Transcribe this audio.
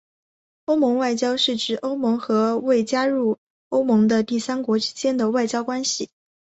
欧盟外交是指欧盟和未加入欧盟的第三国之间的外交关系。